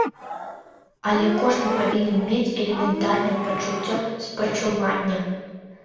Але кожны павінен мець элементарнае пачуццё спачування.